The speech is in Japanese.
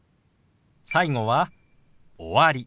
最後は「終わり」。